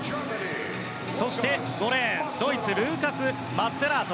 そして５レーンドイツのルーカス・マッツェラート。